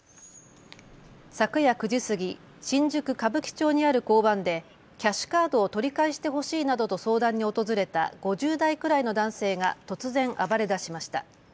昨夜９時過ぎ、新宿歌舞伎町にある交番でキャッシュカードを取り返してほしいなどと相談に訪れた５０代くらいの男性が突然、暴れだしました。